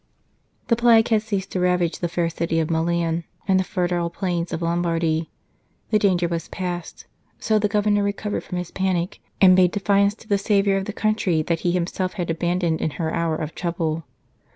The plague had ceased to ravage the fair city of Milan and the fertile plains of Lombardy ; the danger was past, so the Governor recovered from his panic, and bade defiance to the saviour of the country that he himself had abandoned in her hour of trouble.